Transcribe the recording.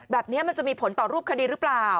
แบบนี้มันจะมีผลต่อรูปคดีหรือเปล่า